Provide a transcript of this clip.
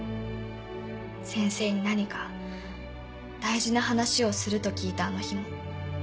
先生に何か大事な話をすると聞いたあの日も。